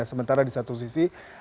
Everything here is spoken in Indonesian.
sementara di satu sisi